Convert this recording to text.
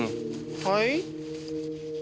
はい？